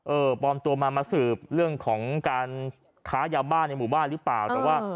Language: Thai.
ปลอมตัวมามาสืบเรื่องของการค้ายาบ้าในหมู่บ้านหรือเปล่าแต่ว่า